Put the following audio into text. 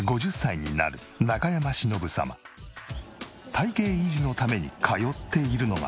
体形維持のために通っているのは。